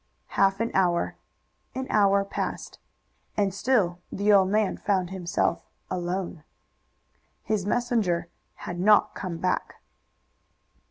Half an hour an hour passed, and still the old man found himself alone. His messenger had not come back.